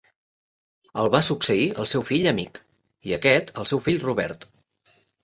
El va succeir el seu fill Amic i a aquest el seu fill Robert.